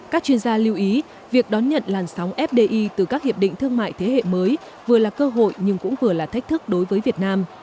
các chuyên gia lưu ý việc đón nhận làn sóng fdi từ các hiệp định thương mại thế hệ mới vừa là cơ hội nhưng cũng vừa là thách thức đối với việt nam